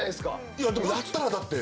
いやでもやったらだって。